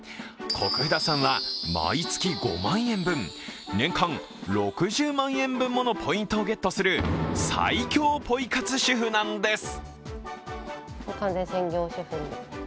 國府田さんは毎月５万円分、年間６０万円分ものポイントをゲットする最強ポイ活主婦なんです。